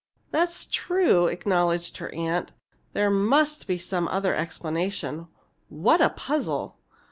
"That's true," acknowledged her aunt. "There must be some other explanation. What a puzzle!"